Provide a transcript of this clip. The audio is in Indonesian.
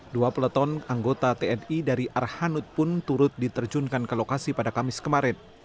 dua peleton anggota tni dari arhanud pun turut diterjunkan ke lokasi pada kamis kemarin